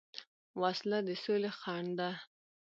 وسله د سولې خنډ ده